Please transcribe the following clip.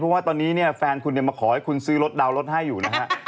เพราะตอนนี้แฟนคุณมาขอให้คุณซื้อได้ลดให้อยู่